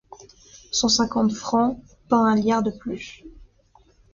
Cent cinquante francs, pas un liard de plus !